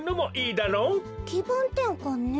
きぶんてんかんね。